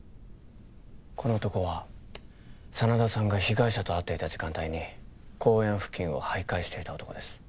この男は真田さんが被害者と会っていた時間帯に公園付近を徘徊していた男です